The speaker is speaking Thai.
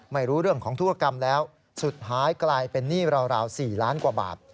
ไม่รู้เรื่องของธุรกรรมแล้วสุดท้ายกลายเป็นหนี้ราว๔ล้านกว่าบาท